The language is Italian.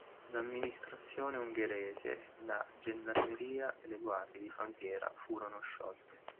L'amministrazione ungherese, la gendarmeria e le guardie di frontiera furono sciolte.